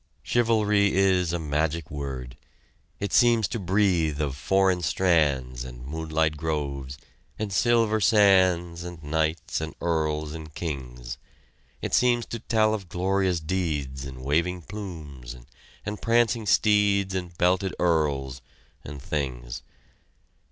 Chivalry is a magic word. It seems to breathe of foreign strands and moonlight groves and silver sands and knights and earls and kings; it seems to tell of glorious deeds and waving plumes and prancing steeds and belted earls and things!